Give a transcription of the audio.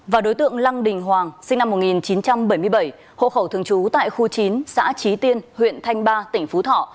và đối tượng lăng đình hoàng sinh năm một nghìn chín trăm bảy mươi bảy hộ khẩu thường trú tại khu chín xã trí tiên huyện thanh ba tỉnh phú thọ